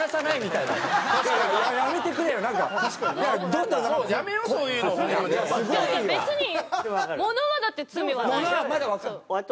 いや別に物はだって罪はない。